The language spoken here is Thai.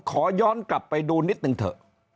ขอย้อนกลับไปดูนิดนึงเถอะ